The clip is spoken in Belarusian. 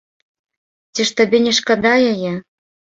Ці ж табе не шкада яе?